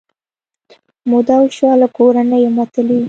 موده وشوه له کور نه یم وتلې